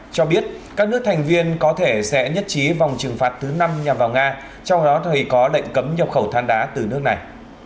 cho biết các nước thành viên có thể sẽ nhất trí vòng trừng phạt thứ năm nhằm vào nga trong đó thì có lệnh cấm nhập khẩu than đá từ nước này